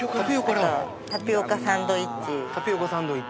タピオカサンドウィッチ。